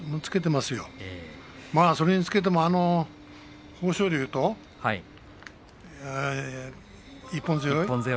まあ、それにつけても豊昇龍と一本背負い？